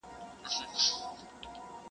• که د سپینو اوبو جام وي ستا له لاسه..